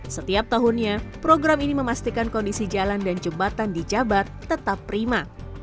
setiap tahunnya program ini memastikan kondisi jalan dan jembatan di jabat tetap prima